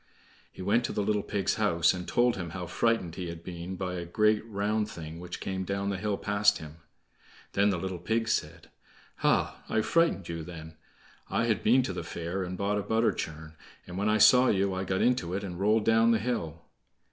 He went to the little pig's house, and told him how frightened he had been by a great round thing which came down the hill past him. Then the little pig said: "Hah, I frightened you then. I had been to the fair and bought a butter churn, and when I saw you, I got into it, and rolled down the hill."